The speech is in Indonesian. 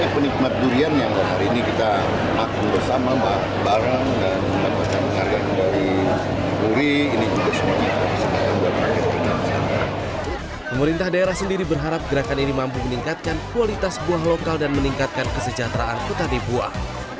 pemerintah daerah sendiri berharap gerakan ini mampu meningkatkan kualitas buah lokal dan meningkatkan kesejahteraan petani buah